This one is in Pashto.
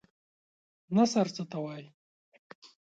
نثر څه ته وايي؟